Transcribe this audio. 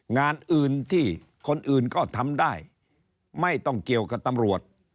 งานอื่นที่คนอื่นก็ทำได้ไม่ต้องเกี่ยวกับตำรวจ